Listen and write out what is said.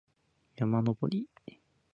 山登り